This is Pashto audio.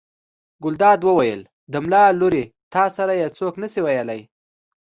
ګلداد وویل: د ملا لورې تا سره یې څوک نه شي ویلی.